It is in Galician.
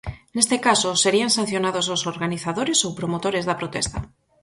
Neste caso, serían sancionados os organizadores ou promotores da protesta.